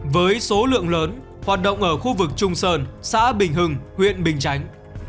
với số lượng lớn hoạt động ở khu vực trung sơn xã bình hưng huyện bình chánh